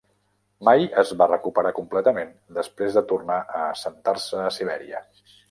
Mai es va recuperar completament després de tornar a assentar-se a Sibèria.